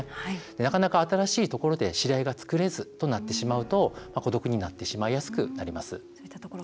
なかなか新しいところで知り合いが作れずとなってしまうと、孤独になってしまいやすくなります。